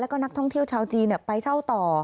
แล้วก็นักท่องเที่ยวชาวจีนไปเช่าต่อ